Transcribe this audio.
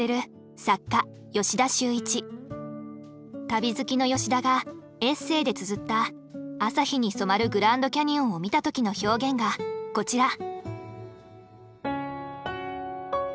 旅好きの吉田がエッセイでつづった朝日に染まるグランドキャニオンを見た時の表現がこちら。